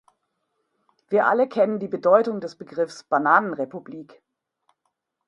Wir alle kennen die Bedeutung des Begriffs "Bananenrepublik".